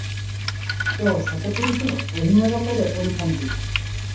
ତୋ ସାତ ପୁରୁଷ ଅହିନରକରେ ପଡ଼ିଥାନ୍ତେ ।